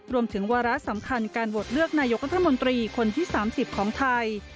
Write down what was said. รวมถึงวาระสำคัญการโหวตเลือกนายกรัฐมนตรีคนที่๓๐ของไทย